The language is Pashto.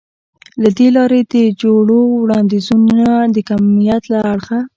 له دې لارې د جوړو وړاندیزونه د کمیت له اړخه